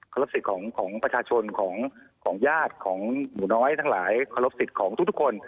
รบสิทธิ์ของประชาชนของญาติของหนูน้อยทั้งหลายเคารพสิทธิ์ของทุกคน